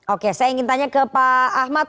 oke saya ingin tanya ke pak ahmad